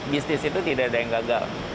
bisnis itu tidak ada yang gagal